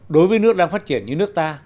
đối với nước đang phát triển như nước ta